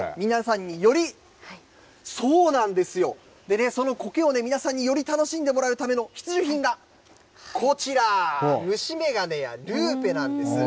そうなんですよ、そのコケを皆さんにより楽しんでもらうための必需品がこちら、虫眼鏡やルーペなんです。